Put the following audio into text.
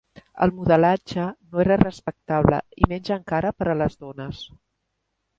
El modelatge no era respectable, i menys encara per a les dones.